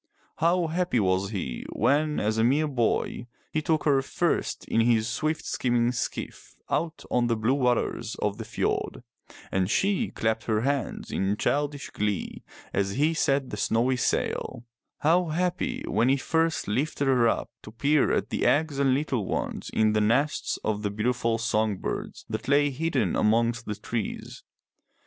How happy was he when, as a mere boy, he took her first in his swift skimming skiff out on the blue waters of the fjord, and she clapped her hands in childish glee as he set the snowy sail; how happy when he first lifted her up to peer at the eggs and little ones in the nests of the beautiful song birds that lay hidden amongst the trees.